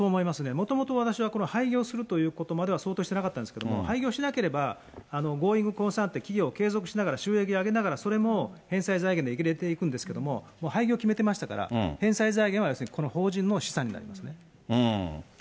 もともと私はこれ、廃業するということまでは想定してなかったんですけれども、廃業しなければ、ゴーイングって企業を継続しながら収益を上げながら、それも返済財源に入れていくんですけれども、もう廃業を決めてましたから、返済財源は要するにこの法人の資産になりますね。